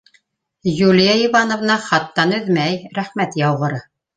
Юлия Ивановна хаттан өҙмәй, рәхмәт яуғыры.